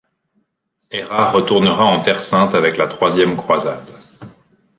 Erard retournera en Terre Sainte avec la Troisième Croisade.